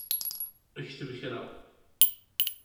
Kteb kra!